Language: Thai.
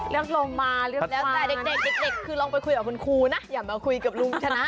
ลงมาเลือกแล้วแต่เด็กคือลองไปคุยกับคุณครูนะอย่ามาคุยกับลุงชนะ